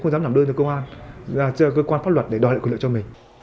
không dám làm đơn cho công an cho cơ quan pháp luật để đòi lại quyền lợi cho mình